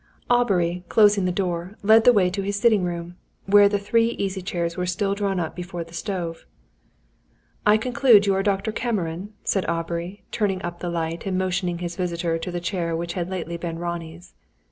Aubrey, closing the door, led the way to his sitting room, where the three easy chairs were still drawn up before the stove. "I conclude you are Dr. Cameron," said Aubrey, turning up the light, and motioning his visitor to the chair which had lately been Ronnie's.